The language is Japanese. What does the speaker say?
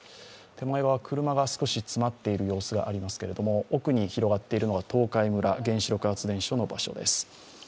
手前は車が少し詰まっている様子がありますけれども、奥に広がっているのが東海村、原子力発電所の場所です。